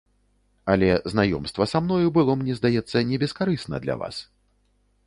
Але знаёмства са мною было, мне здаецца, небескарысна для вас?